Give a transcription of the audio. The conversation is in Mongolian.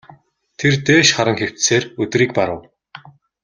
Тэр дээш харан хэвтсээр өдрийг барав.